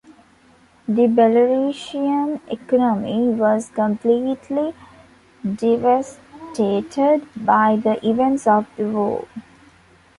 The Belarusian economy was completely devastated by the events of the war.